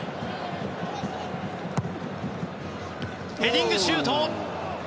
ヘディングシュート！